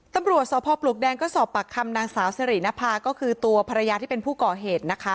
ตำรวจสพปลวกแดงก็สอบปากคำนางสาวสิรินภาก็คือตัวภรรยาที่เป็นผู้ก่อเหตุนะคะ